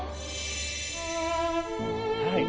はい。